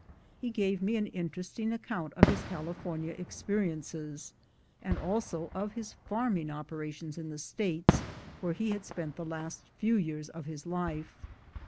He gave me an interesting account of his California experiences, and also of his farming opera tions in the States, where he had spent the last few years of his life.